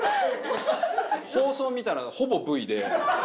放送見たらほぼＶで。